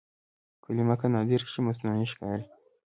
کلمه که نادره شي مصنوعي ښکاري.